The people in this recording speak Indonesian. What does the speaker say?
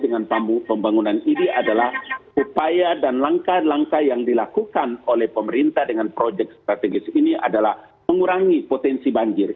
dengan pembangunan ini adalah upaya dan langkah langkah yang dilakukan oleh pemerintah dengan proyek strategis ini adalah mengurangi potensi banjir